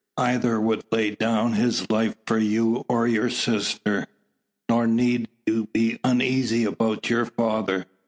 Either would lay down his life for you or your sister. Nor need you be uneasy about your father.